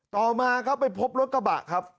ต่อมาครับไปพบรถกระบะครับ